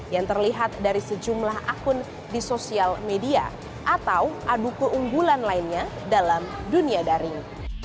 yang terlihat dari sejumlah akun di sosial media atau adu keunggulan lainnya dalam dunia daring